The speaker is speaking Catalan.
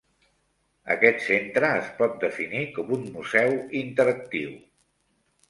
Aquest centre es pot definir com un museu interactiu.